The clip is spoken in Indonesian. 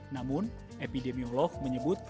namun epidemiolog menyebut